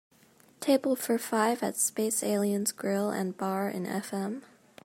table for five at Space Aliens Grill & Bar in FM